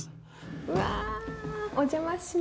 うわお邪魔します。